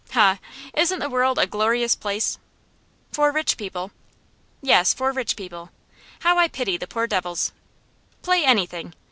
Ha! isn't the world a glorious place?' 'For rich people.' 'Yes, for rich people. How I pity the poor devils! Play anything.